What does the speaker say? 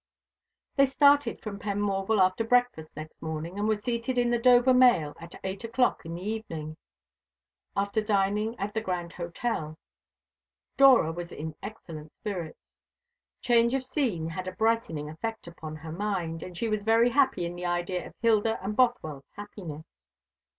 They started from Penmorval after breakfast next morning, and were seated in the Dover mail at eight o'clock in the evening, after dining at the Grand Hotel. Dora was in excellent spirits. Change of scene had a brightening effect upon her mind, and she was very happy in the idea of Hilda and Bothwell's happiness.